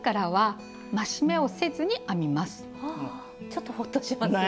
ちょっとホッとしますね。